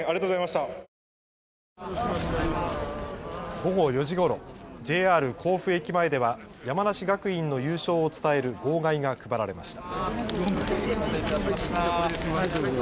午後４時ごろ、ＪＲ甲府駅前では山梨学院の優勝を伝える号外が配られました。